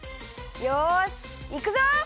よしいくぞ！